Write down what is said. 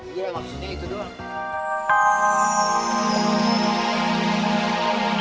iya maksudnya itu doang